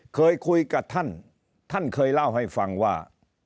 เคยคุยกับท่านท่านเคยเล่าให้ฟังว่า